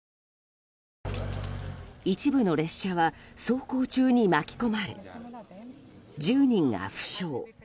一部の列車は走行中に巻き込まれ１０人が負傷。